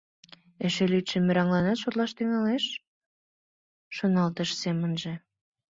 «Эше лӱдшӧ мераҥланат шотлаш тӱҥалеш, — шоналтыш семынже.